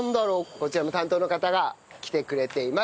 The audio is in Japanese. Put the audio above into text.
こちらも担当の方が来てくれています。